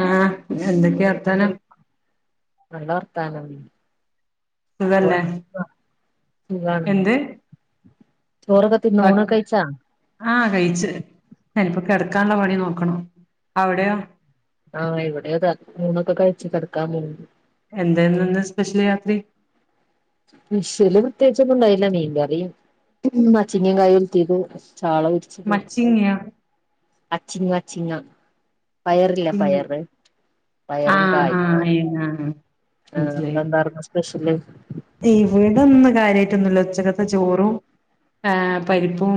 ആ എന്തൊക്കെയാ വർത്താനം നല്ല വർത്താനം ഇതല്ലേ ചോറൊക്കെ സുഖാണ് ചോറൊക്കെ തിന്ന് ബാക്കി ഊണൊക്കെ കഴിച്ചാ ഞാനപ്പോ കിടക്കാനുള്ള പണി നോക്കണം അവിടെയോ ആ ഇവിടെ അതാ ഊണൊക്കെ കഴിച്ച് കിടക്കാൻ പോണ്ട് എന്തായിരുന്ന് ഇന്ന് സ്പെഷ്യൽ രാത്രി സ്പെഷല് പ്രത്രേകിച്ചൊന്നും ഉണ്ടായില്ല മീൻ കറിയും അച്ചിങ്ങയും കായ ഒലത്തിതു ചാള പൊരിച്ചത് മച്ചിങ്ങിയോ അച്ചിങ്ങ അച്ചിങ്ങ പയറില്ലേ ചിങ്ങി പയറ് പയറും കായും ആ ആ അവിടെ എന്താരുന്ന സ്പെഷ്യല് ഓച്ചക്കത്തെ ചോറും പരിപ്പും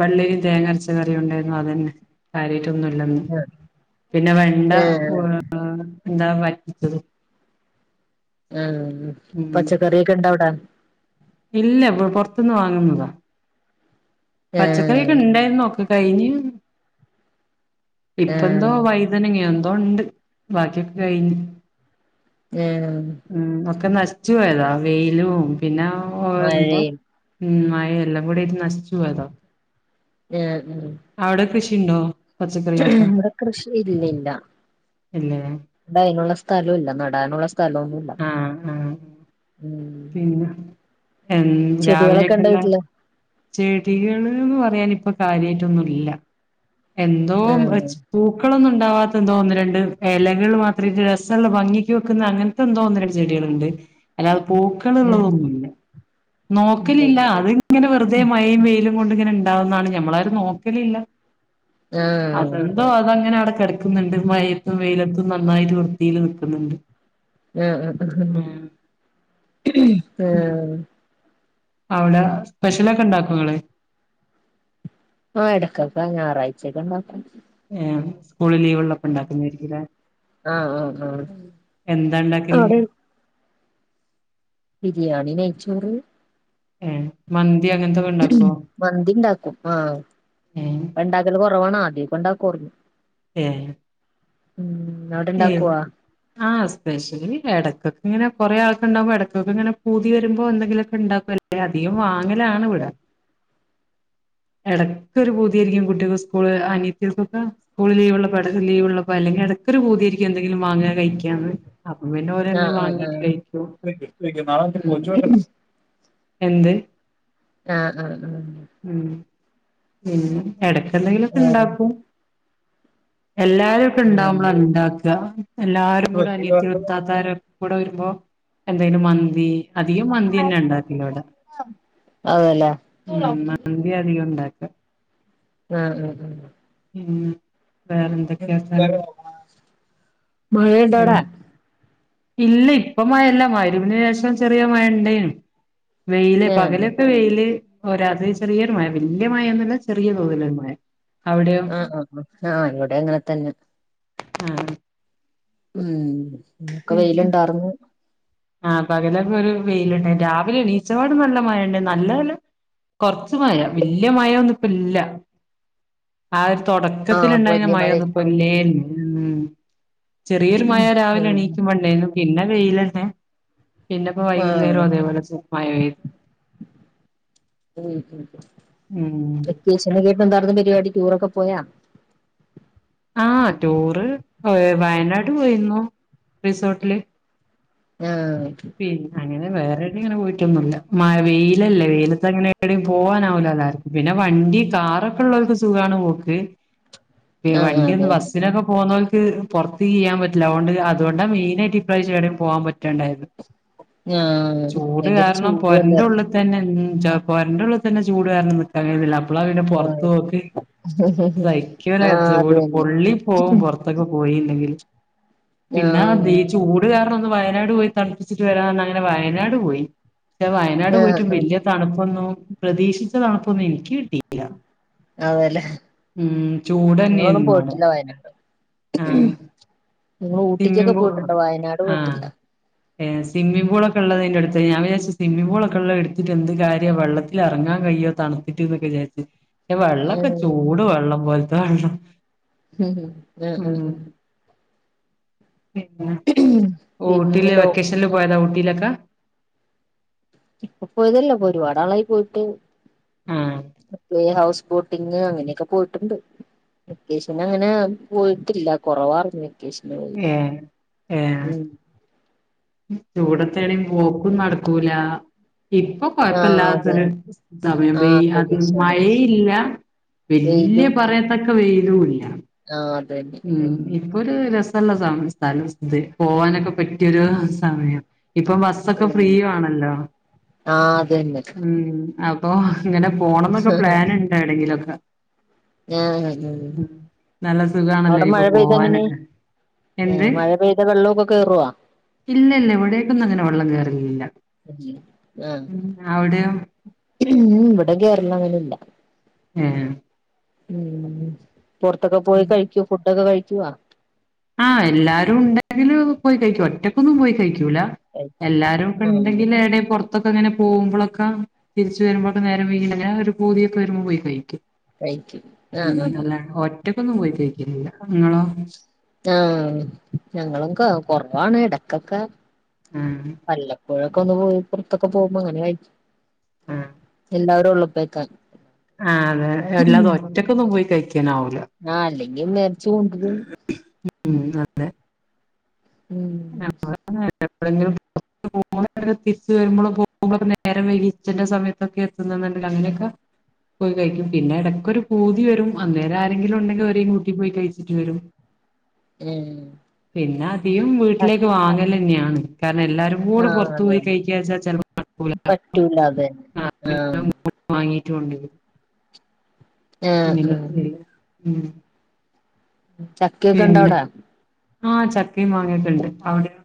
വെള്ളരി തേങ്ങരച്ച കറിയും ഉണ്ടായിരുന്നു അതന്നെ കാര്യ ട്ടൊന്നുല്ല പിന്നെ വെണ്ട ഏഹ് എന്താ പറ്റിച്ചത് ആ പച്ചക്കറിയൊക്കെ ഇണ്ടവിടാ ഇല്ല ഇ പൊറത്തുന്ന് വാങ്ങുന്നതാ ഏഹ് പച്ചക്കറിയൊക്കെ ഉണ്ടായിരുന്നോക്ക് കഴിഞ്ഞ് ഇപ്പ എന്തോ ഏഹ് വൈതനങ്ങേ എ അതൊണ്ട് ബാക്കിയൊക്കെ കഴിഞ്ഞ് ഏഹ് ഉം ഒക്കെ നശി ച്ച് പോയതാ വെയിലും പിന്നെ ഓ എന്തോ മഴയും ഉം മഴ എല്ലാം കൂടിയായിട്ട് നശി ച്ചു പോയതാ ആ ഉം കൃഷിണ്ടോ ഇവിടെ കൃഷി ഇല്ലില്ല ഇല്ല ഇടെ അതിനുള്ള സ്ഥലുല്ല നടാനുള്ള സ് സ്ഥലൊന്നുല്ല ആഹ് ആഹ് ഉം എന്ന് ചെടികളൊക്കെ ഇണ്ടോ രാവിലൊക്കെന്താണ് വീട്ടില് ചെടികൾന്ന് പറയാൻ ഇപ്പം കാര്യമായിട്ടൊന്നും ഇല്ല എന്തോ ആഹ് മച്ച് പൂക്കളൊന്നും ഉണ്ടാവാത്തെന്തോ ഒന്നു രണ്ട് ഇലകളു മാത്രായിട്ടെ രസൊള്ള ഭംഗിക്ക് വെക്കുന്ന അങ്ങനത്തെ ന്തോ ഒന്ന് രണ്ട് ചെടികളുണ്ട് അല്ലാത് ഉം പൂക്കൾള്ളതൊന്നുമല്ല ഇല്ല നോക്കലില്ല ഇല്ല അതിങ്ങനെ വെറുതെ മയേം വെയി ലും ഇതുകൊണ്ടിങ്ങനെ ഉണ്ടാവുന്നതാണ് ഞമ്മളാ രും നോക്കലില്ല ആഹ് അതെന്തോ അതങ്ങനെ അടഞ്ഞ് കിടക്കുന്നുണ്ട് മഴയത്തും വെയിലത്തും നന്നായിട്ട് വൃത്തിയിലെ നിക്കുന്നുണ്ട് ആ ആഹാ ആ ഉം അവിടെ സ്പെഷലൊക്കെ ഉണ്ടാക്കോ ഇങ്ങളെ ആഹ് എടക്കൊക്കെ ഞാറാഴ്ച്ചയൊക്കെ ഇണ്ടാക്കും ഏ സ്കൂളി ലീവൊള്ളപ്പം ഇണ്ടാക്കുമായിരിക്കുമല്ലേ ആഹ് ആഹ് ആഹ് എന്താ ഉണ്ടാക്കല് അവിടെ ബിരിയാണി നെയ്ച്ചോറ് ഏ മന്ത് മന്തി ഇണ്ടാക്കും ആ ഏഹ് ഉണ്ടാക്കലു കുറവാണ് ആദ്യം പ്പണ്ടാകോറിനും ഏ ഉം എന്നോട് ഇണ്ടാക്കുവാ ആ സ്പെഷ്യല എടക്കൊക്കെ ഇ ങ്ങനെ കൊറേൾക്കൊണ്ടാവുമ്പോ ഇടക്കൊക്കിങ്ങനെ പൂതി വരുമ്പം എന്തെങ്കിലുമൊക്കെ ഉണ്ടാക്കുമല്ലേ അധികം വാങ്ങ് അങ്ങനെയാണിവിടെ ഇടയ്ക്കൊക്കെ ഒരു പൂ തിയായിരിക്കും കുട്ടികൾ സ്കൂള് അനിയത്തിക്കൊക്കെ സ്കൂള് ലീവള്ളപ്പോ അല്ലെങ്കിൽ ഇടയ്ക്കൊ രു പൂതിയായിരിക്കും എന്തെങ്കിലും വാങ്ങാൻ കഴിയ്ക്കാനെ അപ്പ പിന്നെ ഓരോന്നെ ആഹ് ആഹ് വാങ്ങിട്ട് ആഹ് കഴിക്കോ ഉം ആഹ് എന്ത് ആആ ഉം എടയ്ക്കെന്തെങ്കിലും ഒക്കെ ഇണ്ടാക്കും എല്ലാവരുക്കെ ഇണ്ടാവുമ്പോളാ ണെ ഉണ്ടാക്ക് ആ എല്ലാരും ആഹ് കൂടെ വേറെ അനിയത്തി ആഹ് വൃത്തത്താരം കൂടെ വരുമ്പോ എന്തായാലും വ ന്തി അധികം മന്തി തന്നെ ഉണ്ടാക്കല്ലടെ അതേല്ലേ ഉം മന്തി അധികം ഉണ്ടാ ഉം ആ ഉം ഉം ഉം വേറെ എന്തൊക്കെയാ സാനം മഴണ്ടോടാ ഇല്ല ഇപ്പ മഴല്ല മഗ്‌രിബിന് ശേഷം ചെറിയ മഴ ഉണ്ടേന് വെയില് ആഹ് പകലൊക്കെ വെയില് ഒരത് ചെറിയൊരു മയ വല്യ മയൊന്നു ന്ന ചെറിയ തോതില് ഒരു മയ ആ ആ ആ ആ ഇവിടെ അങ്ങനെ തന്നെ ആ ഉം നക്ക് വെയില് ഇണ്ടാർന്ന് ആ പകലൊക്കെ ഒരു വെയിലുണ്ടെ രാവിലെ നീച്ചവാട് നല്ല മഴ ഉണ്ട നല്ല നല്ല കുറച്ച് മഴ വല്യ മഴൊന്നും ഇപ്പ ഇല്ല ആ തുടക്കത്തി ആഹ് ഉണ്ടായിന്ന വലിയ മഴയില്ല മഴൊന്നുംപ്പൊല്ലേല്ല ഉം ചെറിയൊരു മഴ രാവിലെ ആഹ് എണീക്കും പണ്ടേനും പിന്നെ വെയിലന്നെ പിന്നെപ്പോ വൈകുന്നേരോ ആഹ് അതേപോലെ സു മായ പെയ്ത് ഉം ഉം ഇന്ന് എന്താരുന്നു പരിപാടി ടൂറൊക്കെ പോയാ ആ ടൂറ് വയനാട് പോയിരുന്നു റിസോർട്ടില് ആ പി അങ്ങനെ വേറെ ങ്ങനെ പോയിട്ടൊന്നുല്ല മാ വെയിലല്ലേ വെയിലത്തങ്ങനെ ഇടേയും പോവാനാവില്ല എല്ലാവർക്കും പിന്നെ വണ്ടി കാറൊക്കെ ഉള്ളവർക്ക് സുഖാണ് പോക്ക് ആഹ് വണ്ടിന്ന് അതെ ബസ്സിനൊക്കെ പോകുന്ന ഇ പുറത്ത് കീയ്യൻ പറ്റില്ല അതുകൊണ്ട് അതുകൊണ്ടാ മെയിനായിട്ട് ഇപ്രാവശ്യം ഇവിടയും പോകാൻ പറ്റാണ്ടായത് ആഹ് ചൂട് ഭയങ്കര കാരണം ചൂടും പൊരന്റെ അല്ലാർന്നോ ഉള്ളിൽ തന്നെ ച പൊരന്റെ ഉള്ള് തന്നെ ചൂട് കാരണം നിക്കാല്ല അപ്പളാ പിന്നെ പുറത്ത് ആഹ് പോക്ക് സയ്ക്കൂല ആഹ് അത് ചൂട് തന്നെ പൊള്ളി പോകും പുറത്തൊക്കെ പോയി എങ്കിൽ പിന്നെ ആഹ് തി ചൂട് കാര [unintelligible] ന്ന് വയനാട് പോയി തണ്പ്പിച്ച് ട്ട് വരാന്ന് ന്നങ്ങനെ വയനാട് പോയി വയനാട് പോയിറ്റും ആഹ് ആഹ് വല്ല്യേ തണ്പ്പൊന്നും പ്രതീക്ഷിച്ച തണ്പ്പൊന്നും ഇനിക്ക് കിട്ടിയില്ല അതേലേ ഞങ്ങളൊന്നും ചൂടന്നെയായിരുന്നു അവിടെ പോയ്ട്ടില്ല വയനാട് ആഹ് നിങ്ങള് ഊട്ടിക്കൊക്കെ സ്വിമ്മിംഗ് പോയിട്ട്ണ്ട് വയനാട് പോയിട്ടില്ല ഏ സ്വിമ്മി പൂളൊക്കെള്ളതേ എട്ത്തത് ഞാം വിചാരിച്ച് സ്വിമ്മി പൂളൊക്കെള്ളതെട്ത്തിട്ട് എന്ത്‌ കാര്യാ വെള്ളത്തിലെർങ്ങാൻ കഴിയോ തണ്ത്ത്ട്ട് ന്നൊക്കെ വിചാരിച്ച് വെള്ളക്കെ ചൂട് വെള്ളം പോലത്തെ കാണണം മ് മ് മ് മ് പിന്നെ പിന്നെ ഓട്ടില് ലോ വെക്കേഷനില് പോയത ഊട്ട ലക്ക ഇപ്പൊ പോയതല്ലപ്പൊ ഒരുപാട്നാളായി പോയ്റ്റ് ആഹ് പ്ലേ ഹൌസ് ബോട്ടിങ് അങ്ങനെക്കെ പോയിട്ട്ണ്ട് വെക്കേഷന് അങ്ങനെ പോയിട്ടില്ല കൊറവാർഞ് ഏ ഏ ചൂടത്തെവടീം പോക്കും നടക്കൂല ഇപ്പൊ ആഹ് കൊഴപ്പില്ലാതൊര് അതന്നെ സമയം ആഹ് വെയ് അത് അന്തരീക്ഷാണ് മഴയില്ല വല്ല്യേ വെയിലും പറയത്തക്ക വെയ്ലൂല ആഹ് അതന്നെ ഇപ്പൊര് രസള്ള സമ സ സ്ഥല പോവാനൊക്കെ പറ്റിര് സമയം ഇപ്പം ബസ്സൊക്കെ ഉം ഫ്രീ ആണല്ലോ ആഹ് അതന്നെ മ് അ പ്പൊ ഇങ്ങനെ പോണന്നൊക്കെ പ്ലാന്ണ്ടോ വടെങ്കിലൊക്കെ ആ ആഹ് മ് നല്ല സുഖാണല്ലോ അവടെ മഴ ഇനിപ്പൊ പെയ്താ എങ്ങനെ പോവാനൊക്കെ എന്ത് ആ മഴ പെയ്ത വെള്ളൊക്കെ കേറോ ല്ല എവടേക്കൊന്നുങ്ങനെ വെള്ളം കേറ്കയില്ല ഇല്ല. മ് അവടെയോ മ് വടെ കേറലങ്ങനെല്ല ഏ മ് പൊർത്തൊക്കെ പോയി കയ്ക്കോ ഫുഡ്ഡോക്കെ കയി ക്കുവ്വാ ആ എല്ലാരും ഉണ്ടെങ്കില് പോയി കഴിക്കും ഒറ്റക്കൊന്നും പോയി കഴിക്ക [unintelligible] ലാ കഴി എല്ലാരും ആഹ് ഉണ്ടെങ്കിൽടെ എവിടെ പൊർത്തു [unintelligible] ക്കെങ്ങെനെ പോകുമ്പോ ളക്കെ തിരിച്ച വരുമ്പോൊക്കെ നേരം വീ ഒരു പോതിയൊക്കെ വരുമ്പോ പോയി കഴിക്കും കഴിക്ക് ഉം ആഹാ അല്ലാണ്ട് ഒറ്റക്കൊന്നും പോയി കഴിക്കലില്ല നിങ്ങളോ ആഹ് ഞങ്ങളൊക്കെ കൊറവാണ് ഇടക്കൊക്കെ. ആഹ് അല്ലപ്പോഴും ഇക്കാ ഒന്ന് പോയി പുറത്തൊക്കെ പോകുമ്പോ അങ്ങനെ കഴിക്കും. എല്ലാവരും ഉള്ളപ്പേക്കാൾ ആ അതെ എല്ലാതും ഒറ്റക്കൊന്നും പോയി കഴിക്കാൻ ആവൂല ആ അല്ലെങ്കും മേടിച്ച് കൊണ്ടരും ഉം അല്ലെ ഉം എപ്പോഴെങ്കിലും പുറത്തു പോകുമ്പോഴോ തിരിച്ചു വരുമ്പോഴോ പോകുമ്പോക്കെ നേരം വൈകി ഉച്ചൻ്റെ സമയത്തൊക്കെ എത്തുന്നത് ഉണ്ടെങ്കിൽ അങ്ങനെ ഒക്കെ പോയി കഴിക്കും, പിന്നെ ഇടയ്ക്ക് ഒരു പൂതിവരും അന്നേരം ആരേലും ഉണ്ടെങ്കിൽ ഓലെയും കൂട്ടി കഴിച്ചിട്ട് വരും. ഉം പിന്നെ അധികം വീട് ആഹ് ക്ക് വാങ്ങൽ ന്നെയാണ് കാരണം എല്ലാവാരും കൂടെ പുറത്തു പോയി അതന്നെ കഴിക്കാ ചെ ചെൽപം നടക്കൂലാ പറ്റൂല അതന്നെ ആഹ് [unintelligible] മാങ്ങി [unintelligible] ആ ആ ഉം ചക്കക്കെ ഇണ്ടോ പിന്നെ അവിടെ ആഹ് ചക്കയും മാങ്ങൊക്കെ ഉണ്ട് അവിടെയോ.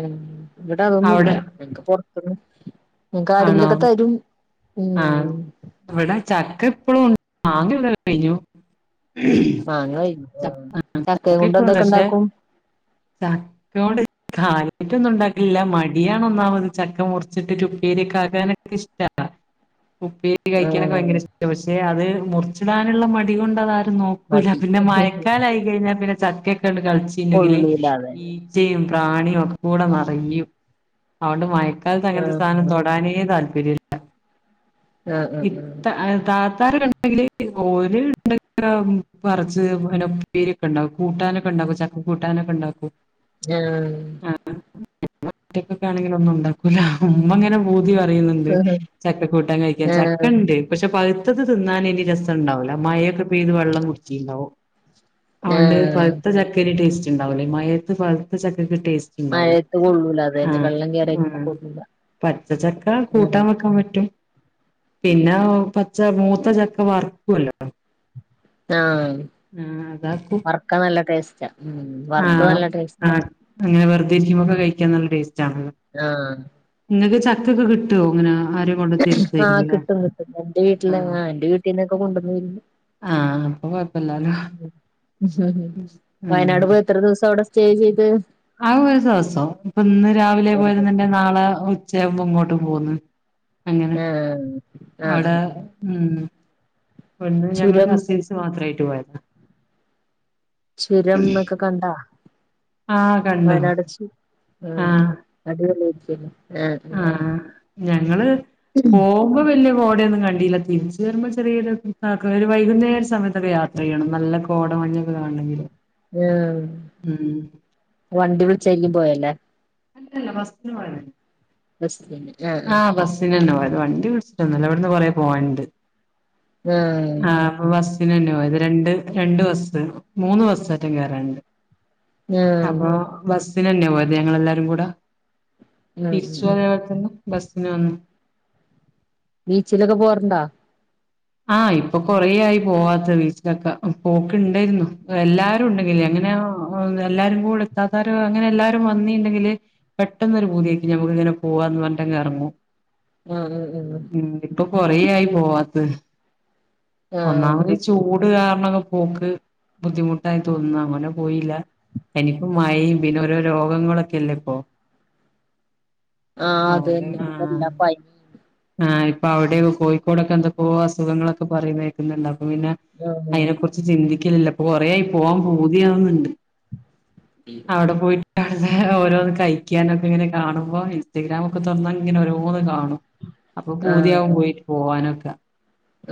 ഉം ഇങ്ങട്ട് അതൊന്നുല്ല അവിടെ നിങ്ങക്ക് പൊ [unintelligible] ആണോ ആരങ്കിലൊക്കെ തരും ആഹ് ഉം ഇവിടെ ചക്ക ഇപ്പോളും ഉണ്ട്, മാങ്ങ ഇവിടെ കഴിഞ്ഞു. [unintelligible] മാങ്ങ കഴിഞ്ഞു ആഹ് ചക്ക ചക്കയും കൊണ്ട് എന്തൊക്കെ പക്ഷെ ഇണ്ടാക്കും ചക്കോണ്ട് കാര്യാട്ടൊന്നും ഉണ്ടാക്കില്ല മടിയാണ് ഒന്നാമത് ചക്ക മുറിച്ചിട്ടിും [inaudible] പീലി കാക്കാനെ എനിക്ക് ഇഷ്ടവാ. ഉപ്പിട്ട്കഴിക്കാനൊക്കെ ഭയങ്കര ആഹ് ഇഷ്ടമാണ് പക്ഷെ അത് മുറിച്ചിടാനുള്ള മടികൊണ്ടാണത് നോക്കൂല മടി പിന്നെ മഴക്കാലയി കഴിഞ്ഞൽ പിന്നെ ചക്കേട് കണ്ട് കളിച്ചീണ്ടെങ്കില് കൊള്ളൂല അതന്നെ ഈച്ചെയും പ്രാണിയൊക്കക്കൂട നെറയും അഓണ്ട് മയക് ക്കാലത്തങ്ങനൊരു സാനം ആഹ് തൊടാനേ താൽ പര്യല്ല ആഹ് ആഹ് ഇത്ത ആഹ് താത്താര് രണ്ട് ണ്ടെങ്കില് ഓര് [unintelligible] പറച്ച് അൻ്റ ഉപ്പേരിയൊക്കെ എണ്ടാക്കും കൂട്ടാനൊക്കെ എണ്ടാക്കും ചക്ക കൂട്ടാനൊക്കെണ്ടാക്കും ആഹ് ഒറ്റയ്ക്കൊക്കാണെങ്കിലൊന്നും ഉണ്ടാക്കൂലാ ഉമ്മങ്ങനെ പൂത് തി പറയുന്നുണ്ട് ചക്കക്കൂട്ടാൻ കഴി ക്കാൻ ആഹ് ചക്കണ്ട് പക്ഷെ പഴ് പഴുത്തത് തിന്നാനിനി രസംണ്ടാവൂല മയയൊക്കെ പെയ്ത് വെള്ളം കുടിച്ചീണ്ടാവും അഓണ്ട് ആഹ് പഴുത്ത ചക്കേനി ടേസ്റ്റ് ഇണ്ടാവൂല ഈ മയേത്ത് പഴുത്ത ചക്ക് ഇത് ടേസ്റ്റ് ഇണ്ടാവൂല, മഴയത്ത് കൊള്ളൂല അത് തന്നെ ആഹ് വെള്ളം കേറിയിട്ടൊന്നും ഉം കൊള്ളൂല പച്ചച്ചക്ക ആഹ് കൂട്ടാൻ വെക്കാൻ പറ്റും. പിന്നെ ഓ പച്ച മൂത്തച്ചക്ക വറുക്കുവല്ലോ. ആഹ് വറക്കാൻ നല്ല ടേസ്റ്റാ ഉം വറുത്തു ആഹ് നല്ല ടേസ്റ്റാ. ആഹ് അങ്ങനെ വെറുതേയിരിക്കുമ്പൊക്കെ കഴിക്കാൻ നല്ല ടേസ് റ്റാ ആണല്ലോ ആഹ് ഇങ്ങക്ക് ചക്ക. ഇതൊക്കെ കിട്ടുവോ അങ്ങനെ. ആര് കൊണ്ട് തരും. ആഹ് കിട്ടും കിട്ടും എന്റെ വീട്ടില് അങ്ങാ എന്റെ വീട്ടീനൊക്കെ കൊണ്ടന്ന് തരും, ആഹ് അപ്പൊ കൊഴപ്പല്ലാലോ വയനാട് പോയി എത്ര ദിവസം. അവട സ്റ്റേ ചെയ്ത് ആകെ ഒരു ദിവസോ അപ്പിന്ന് രാവിലെ പോയിരുന്നെങ്കി നാളെ ഉ ഉച്ചയാവുമ്പിങ്ങോട്ട് പോന്ന് അങ്ങനെ ആഹ് അവടെ ആഹ് നിന്നു ഇവ്ട്ന്ന് ഞങ്ങള് ചുരം കസിൻസ് മാത്രായി ട്ട് പോയതാ ചുരം എക്കെ കണ്ടാ ആഹ് കണ്ടു വയനാട് ചു ആഹ് അടിപൊളിയായിരുന്നു [unintelligible] ആഹ് ഞങ്ങള് പോവ്മ്പോ വല്യ കോടയൊന്നും കണ്ടിയില്ല തിരിച്ചു വരുമ്പോ ചെറിയ ഒരു വൈകുന്നേര സമയത്തൊക്കെ യാത്ര ചെയ്യണം നല്ല കോട മഞ്ഞൊക്കെ കാണണെങ്കിൽ ഉം വണ്ടി വിളിച്ചാരിക്കും പോയലെ അല്ലല്ല ബസ്ന് പോയത് ബസ്ന് ആഹ് ബസിനന്നെ പോയത് വണ്ടി വിളിച്ചിട്ടോന്നുല്ല ഇവ്ട്ന്ന് കൊറേ പോവാന്ണ്ട് ആഹ് അപ്പൊ ബസ് അയിനന്നെ പോയത് രണ്ട് രണ്ട് ബസ് മൂന്ന് ബസേറ്റെ കേറാണ്ട് ആഹ് അപ്പൊ ബസ് സിന് തന്നെയാ പോയത് ഞങ്ങൾ എല്ലാരും കൂടെ ഉം തിരിച്ചും ഉം അതെ പോലെതന്നെ ബസ്ന് വന്നു ബീച്ചിലൊക്കെ പോവാർണ്ടാ ആ ഇപ്പൊ കൊറേ ആയി പോവാത്ത് ബീച്ചിലൊക്കെ പോക്കുണ്ടായ്രുന്നു പ്പൊ എല്ലാ [unintelligible] ഉണ്ടെങ്കി എങ്ങനെയോ എല്ലാരും കൂടെ ഇത്താത്തരും അങ്ങനെ എല്ലാരും വന്നിണ്ടെങ്കില് പെട്ടന്ന് ഒരു പൂതി യാക്കി നമ്മക്ക് ഇങ്ങനെ പോവാന്ന് പറഞ്ട്ട് അങ്ങ് എറങ്ങും ആഹ് ആഹ് ആഹ് ഇപ്പൊ കൊറയായി ഓ അദ് ആഹ് ഒന്നാമതീ ചൂ റ് കാരണം പോക്ക് ബുദ്ധിമുട്ടായി തോന്നുന്ന അങ്ങനെ പോയില്ല എനിക്ക് മഴയും പിന്നെ ഓരോ രോഗങ്ങളൊക്കെല്ലേ ഇപ്പോ ആഹ് അത് തന്നെ ഇപ്പം എല്ലാ പനിം അപ്പ അവിടെ കോയിക്കോടൊക്കെ എന്തൊക്കെ അസ് അസുഖങ്ങളൊക്കെ പറയുന്ന കേക്ക്‌ന്ന്ണ്ടൊ അപ്പ പിന്നെ ആഹ് അയിനെ കുറിച്ച് ചിന്തി ക്കലില്ല കൊറെ ആയി പോവാൻ പൂതിയാവ്ന്ന്ണ്ട് അവിടെ പോയി അതെ ഓരോന്ന്ക്കെ തൈക്കാനൊക്കെ ഇങ്ങനെ കാണും അപ്പ ഇൻസ്റ്റഗ്രാം ഒക്കെ തുറന്നാ ഇങ്ങനെ ഓരോന്ന് കാ അപ്പൊ പൂതിയാകും ആഹ് പോയിട്ട് പോവാനൊക്കെ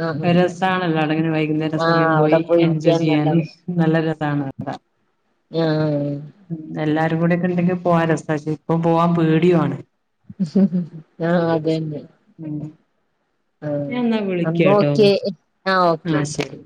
ആഹ് രസണല്ലോ അവിട്ങ്ങനെ വൈകുന്നേര ആഹ് സമയം പോയി അവിടെ എൻജോയ് പോയിരിക്കാണ് ചെയ്യാന് നല്ലത് നല്ല ര ഇതാണ് ത്രെ ആഹ് എല്ലാരും കൂടെക്കെ ണ്ടെങ്കി പോവാൻ രസ ഇപ്പോ പോവാൻ പേടിയുണ് ആഹ അതന്നെ ആഹ ഞാൻ എന്നാ അപ്പോ വിളിക്കാട്ടോ ഓക്കേ ആഹ ഓക്കെ ആഹ് ഓക്കെ ശരി